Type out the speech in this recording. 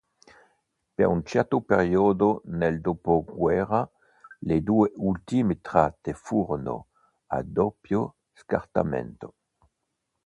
Per un certo periodo nel dopoguerra le due ultime tratte furono a doppio scartamento.